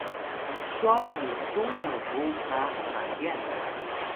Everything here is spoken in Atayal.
cwa mutung mbung qa kayal?